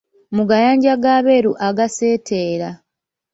Mu gayanja g’abeeru agaaseeteera.